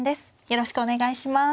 よろしくお願いします。